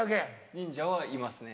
忍者はいますね。